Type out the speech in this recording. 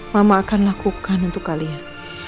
mama akan lakukan untuk kalian